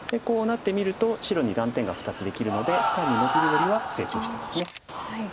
こうなってみると白に断点が２つできるので単にノビるよりは成長してます。